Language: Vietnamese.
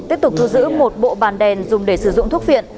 tiếp tục thu giữ một bộ bàn đèn dùng để sử dụng thuốc viện